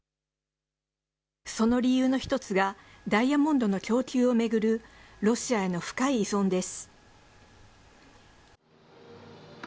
その理由の一つが、ダイヤモンドの供給を巡るロシアへの深い依存です。